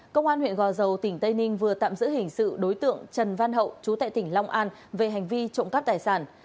công an huyện gò dầu tỉnh tây ninh vừa tạm giữ hình sự đối tượng trần văn hậu chú tại tỉnh long an về hành vi trộm cắp tài sản